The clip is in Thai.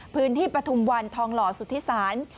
พื้นที่ปทุมวันทองหล่อสุธิศาสตร์